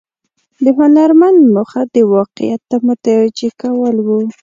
د هنرمند موخه د واقعیت ته متوجه کول و.